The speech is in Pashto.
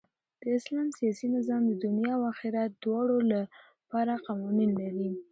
د اسلام سیاسي نظام د دؤنيا او آخرت دواړو له پاره قوانين لري.